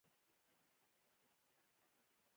مارک ټواین وایي د خوښۍ لپاره غم تجربه کړئ.